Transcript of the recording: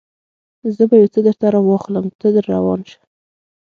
زه به یو څه درته راواخلم، ته در روان شه.